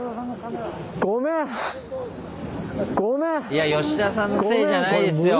いやヨシダさんのせいじゃないですよ。